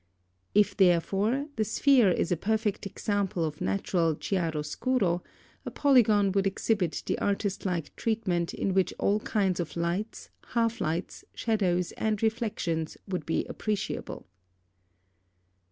" If, therefore, the sphere is a perfect example of natural chiaro scuro, a polygon would exhibit the artist like treatment in which all kinds of lights, half lights, shadows, and reflexions, would be appreciable.